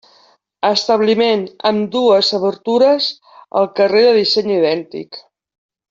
Establiment amb dues obertures al carrer de disseny idèntic.